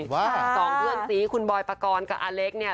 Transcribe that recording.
ว่าสองเพื่อนซีคุณบอยปกรณ์กับอเล็กเนี่ย